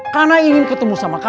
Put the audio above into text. karena ingin ketemu sama kamu ya